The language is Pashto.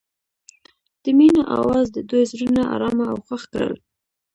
د مینه اواز د دوی زړونه ارامه او خوښ کړل.